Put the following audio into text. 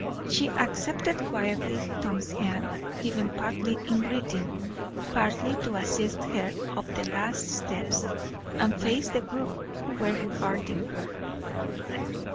She accepted quietly Tom's hand, given partly in greeting, partly to assist her up the last steps, and faced the group who were regarding her.